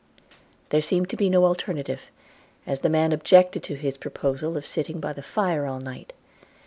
There seemed to be no alternative, as the man objected to his proposal of sitting by the fire all night.